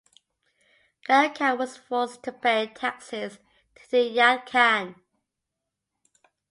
Gara Khan was forced to pay taxes to Hidayat Khan.